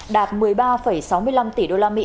đạt một mươi ba sáu mươi năm tỷ usd